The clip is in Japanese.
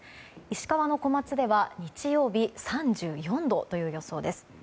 石川の小松では日曜日３４度という予想です。